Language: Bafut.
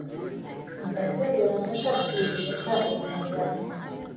Mǝ̀ lɛ Sɨ ghirǝ mǝ tâ atiî yo tâ à Kanyaŋǝ.